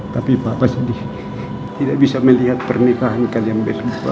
tapi bapak sedih tidak bisa melihat pernikahan kalian berdua